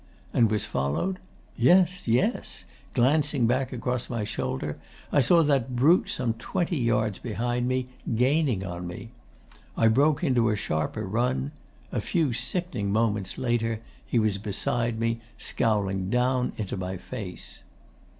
And was followed? Yes, yes. Glancing back across my shoulder, I saw that brute some twenty yards behind me, gaining on me. I broke into a sharper run. A few sickening moments later, he was beside me, scowling down into my face.